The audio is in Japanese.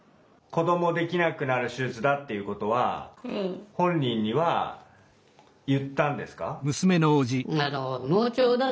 子どもできなくなる手術だっていうことは本人には言ったんですか？